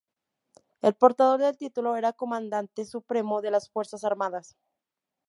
El portador del título era comandante supremo de las fuerzas armadas.